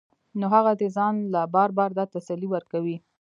نو هغه دې ځان له بار بار دا تسلي ورکوي